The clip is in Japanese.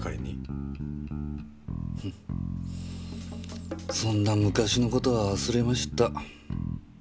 フッそんな昔の事は忘れました。